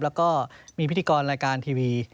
แล้วก็มีพิธีกรรายการทีวี